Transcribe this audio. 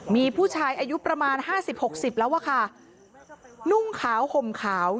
มีผู้ชายอายุประมาณห้าสิบหกสิบแล้วอะค่ะนุ่งขาวห่มขาว